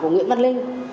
của nguyễn văn linh